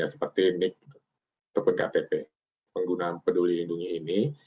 seperti nik atau pngtp pengguna peduli lindungi ini